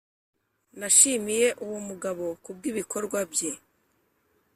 Nashimiye uwo mugabo kubwibikorwa bye